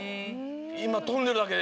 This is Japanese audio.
今跳んでるだけで。